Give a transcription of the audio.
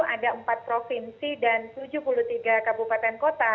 ada empat provinsi dan tujuh puluh tiga kabupaten kota